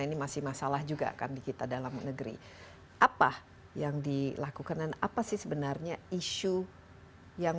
ini masih masalah juga kan di kita dalam negeri apa yang dilakukan dan apa sih sebenarnya isu yang